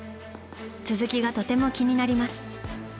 続きがとても気になります。